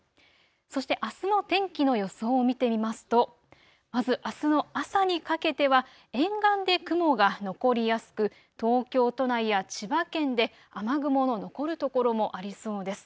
そしてあすの天気の予想を見てみますと、まずあすの朝にかけては沿岸で雲が残りやすく東京都内や千葉県で雨雲の残る所もありそうです。